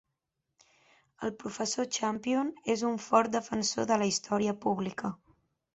El professor Champion és un fort defensor de la història pública.